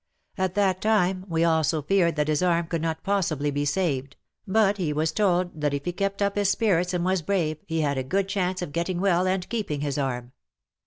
At that time we also feared that his arm could not possibly be saved, but he was told that if he kept up his spirits and was brave, he had a good chance of getting well and keeping his arm.